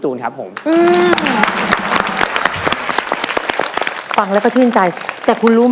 แล้ววันนี้ผมมีสิ่งหนึ่งนะครับเป็นตัวแทนกำลังใจจากผมเล็กน้อยครับ